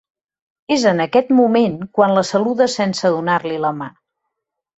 És en aquest moment quan la saluda sense donar-li la mà.